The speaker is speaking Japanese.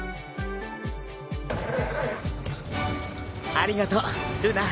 ありがとうルナ。